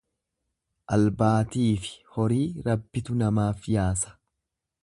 Albaatiifi horii Rabbitu namaaf yaasa.